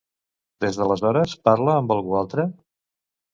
Des d'aleshores parla gaire amb algú altre?